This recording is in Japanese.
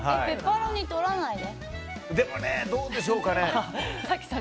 でも、どうでしょうかね。